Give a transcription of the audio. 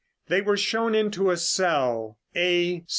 They were shown into a cell, A.